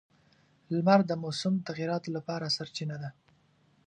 • لمر د موسم تغیراتو لپاره سرچینه ده.